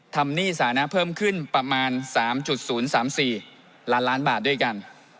หนี้สานะเพิ่มขึ้นประมาณ๓๐๓๔ล้านล้านบาทด้วยกัน